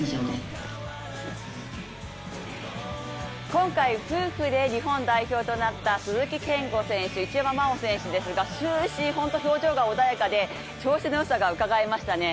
今回夫婦で日本代表となった鈴木健吾選手、一山麻緒選手ですが、終始本当に表情が穏やかで調子の良さがうかがえましたね。